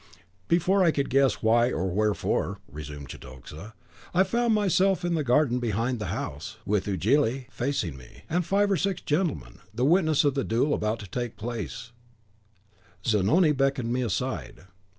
"Before I could guess why or wherefore," resumed Cetoxa, "I found myself in the garden behind the house, with Ughelli (that was the Sicilian's name) facing me, and five or six gentlemen, the witnesses of the duel about to take place, around. Zanoni beckoned me aside.